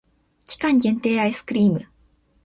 期間限定アイスクリーム